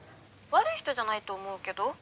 ☎悪い人じゃないと思うけど。